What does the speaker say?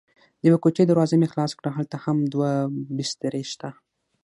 د یوې کوټې دروازه مې خلاصه کړه: هلته هم دوه بسترې شته.